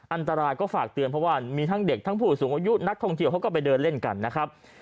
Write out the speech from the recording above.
อันตรายก็ฝากเตือนเพราะว่ามีทั้งเด็กทั้งผู้สูงอายุนักท่องเที่ยวเขาก็ไปเดินเล่นกันนะครับ